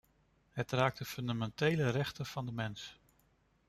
Het raakt de fundamentele rechten van de mens.